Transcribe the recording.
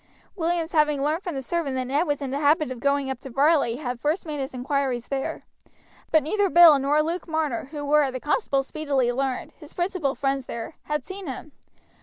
Williams having learned from the servant that Ned was in the habit of going up to Varley had first made his inquiries there; but neither Bill nor Luke Marner, who were, the constable speedily learned, his principal friends there, had seen him.